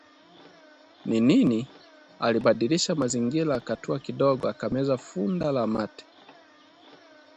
ni nini? Alibadilisha mazingira akatua kidogo, akameza funda la mate